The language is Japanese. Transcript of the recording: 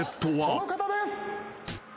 この方です。